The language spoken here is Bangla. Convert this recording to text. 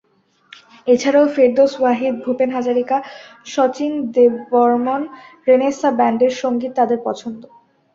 এছাড়াও ফেরদৌস ওয়াহিদ, ভূপেন হাজারিকা, শচীন দেববর্মণ, রেঁনেসা ব্যান্ডের সংগীত তাদের পছন্দ।